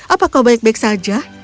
apa kau baik baik saja